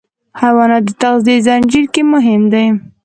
حیوانات د تغذیې زنجیر کې مهم دي.